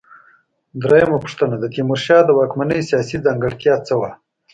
درېمه پوښتنه: د تیمورشاه د واکمنۍ سیاسي ځانګړتیا څه وه؟